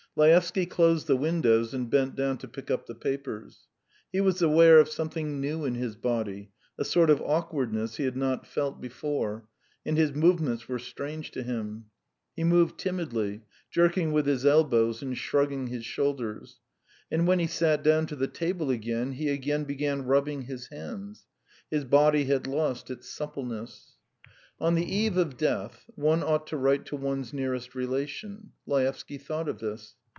Laevsky closed the windows and bent down to pick up the papers. He was aware of something new in his body, a sort of awkwardness he had not felt before, and his movements were strange to him. He moved timidly, jerking with his elbows and shrugging his shoulders; and when he sat down to the table again, he again began rubbing his hands. His body had lost its suppleness. On the eve of death one ought to write to one's nearest relation. Laevsky thought of this.